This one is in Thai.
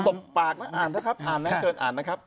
บปากนะอ่านนะครับอ่านนะเชิญอ่านนะครับ